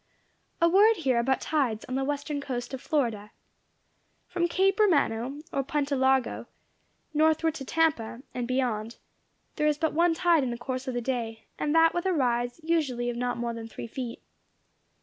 A word here about tides on the western coast of Florida. From Cape Romano, or Punta Largo, northward to Tampa, and beyond, there is but one tide in the course of the day, and that with a rise usually of not more than three feet.